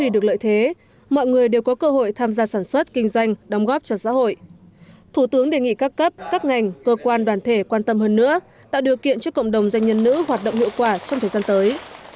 đóng góp cho xã hội thủ tướng đề nghị các cấp các ngành cơ quan đoàn thể quan tâm hơn nữa tạo điều kiện cho cộng đồng doanh nhân nữ hoạt động hiệu quả trong thời gian tới